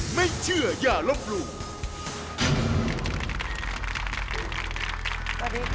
สวัสดีครับสวัสดีครับ